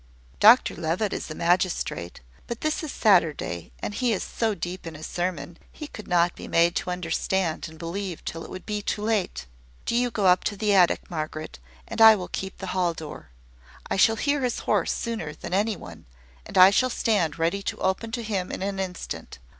"Dr Levitt is a magistrate: but this is Saturday, and he is so deep in his sermon, he could not be made to understand and believe till it would be too late. Do you go up to the attic, Margaret, and I will keep the hall door. I shall hear his horse sooner than any one, and I shall stand ready to open to him in an instant.